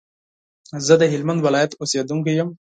زه د هلمند ولايت اوسېدونکی يم